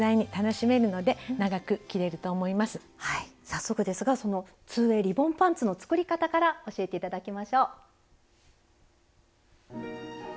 早速ですがその２ｗａｙリボンパンツの作り方から教えて頂きましょう。